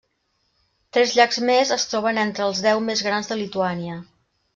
Tres llacs més es troben entre els deu més grans de Lituània.